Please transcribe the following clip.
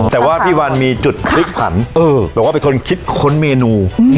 แต่ว่าพี่วันมีจุดพลิกผันบอกว่าเป็นคนคิดค้นเมนู